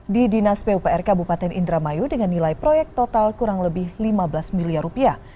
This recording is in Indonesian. di dinas pupr kabupaten indramayu dengan nilai proyek total kurang lebih lima belas miliar rupiah